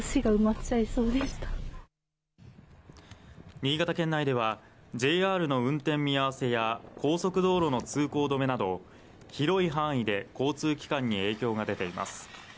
新潟県内ではＪＲの運転見合わせや高速道路の通行止めなど広い範囲で交通機関に影響が出ています。